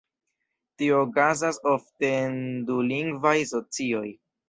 Tio okazas ofte en dulingvaj socioj.